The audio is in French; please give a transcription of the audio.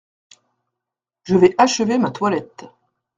Je vais achever ma toilette.